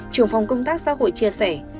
trưởng phòng công tác xã hội chia sẻ